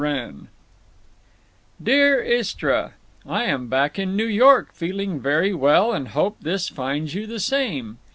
WRENN" DEAR ISTRA,—I am back in New York feeling very well & hope this finds you the same.